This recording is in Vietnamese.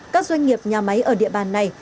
các doanh nghiệp nhà máy ở địa bàn này